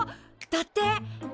だって。